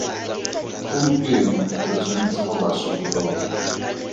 Gompieno re tshwanetse go ba sokolola.